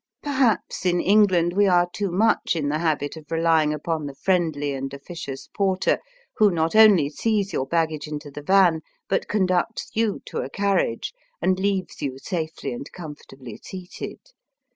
Perhaps in Englajid we are too mucli in the habit of relying upon the friendly and officious porter who not only sees your baggage into the van but conducts you to a carriage, and leaves you safely and comfortably seated.